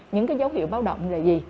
những dấu hiệu báo động là gì